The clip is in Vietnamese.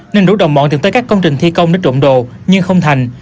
nên đủ đồng bọn tìm tới các công trình thi công để trộn đồ nhưng không thành